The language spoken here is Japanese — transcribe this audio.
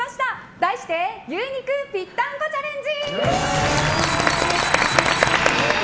題して牛肉ぴったんこチャレンジ！